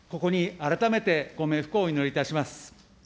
ここに改めてご冥福をお祈りいたします。